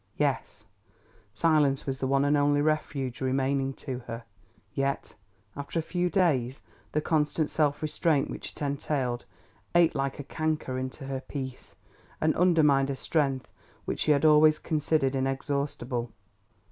Yes, silence was the one and only refuge remaining to her. Yet, after a few days, the constant self restraint which it entailed, ate like a canker into her peace, and undermined a strength which she had always considered inexhaustible.